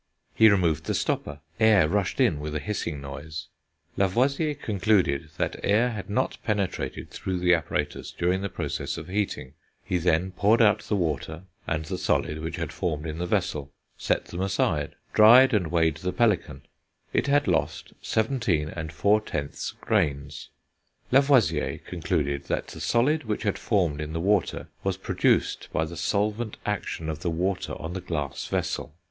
He removed the stopper; air rushed in, with a hissing noise. Lavoisier concluded that air had not penetrated through the apparatus during the process of heating. He then poured out the water, and the solid which had formed in the vessel, set them aside, dried, and weighed the pelican; it had lost 17 4/10 grains. Lavoisier concluded that the solid which had formed in the water was produced by the solvent action of the water on the glass vessel.